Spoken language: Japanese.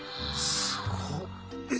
すごっ。